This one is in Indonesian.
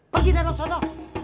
pergi dari sana